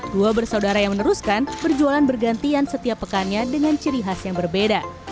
dua bersaudara yang meneruskan berjualan bergantian setiap pekannya dengan ciri khasnya